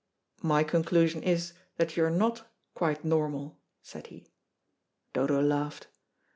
"My conclusion is that you are not quite normal," said he. Dodo laughed.